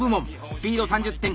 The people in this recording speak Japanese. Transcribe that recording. スピード３０点